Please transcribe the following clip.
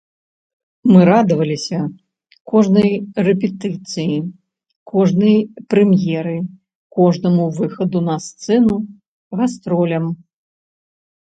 Мы радаваліся кожнай рэпетыцыі, кожнай прэм'еры, кожнаму выхаду на сцэну, гастролям.